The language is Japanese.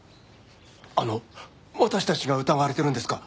あの私たちが疑われてるんですか？